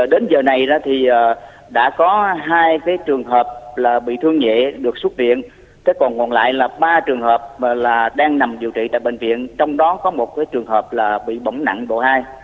đến giờ này thì đã có hai trường hợp là bị thương nhẹ được xuất viện thế còn còn lại là ba trường hợp đang nằm điều trị tại bệnh viện trong đó có một trường hợp là bị bỏng nặng độ hai